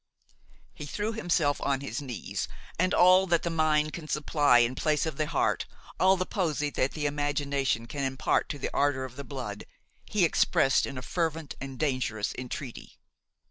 He threw himself on his knees, and all that the mind can supply in place of the heart, all the poesy that the imagination can impart to the ardor of the blood, he expressed in a fervent and dangerous entreaty.